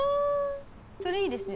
それいいですね。